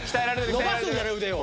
伸ばすんだね腕を。